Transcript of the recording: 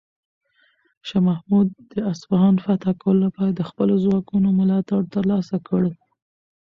شاه محمود د اصفهان فتح کولو لپاره د خپلو ځواکونو ملاتړ ترلاسه کړ.